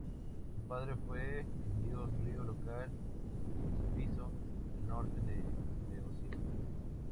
Su padre fue el dios-río local Cefiso del norte de Beocia.